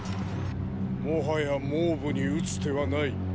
もはや蒙武に打つ手はない。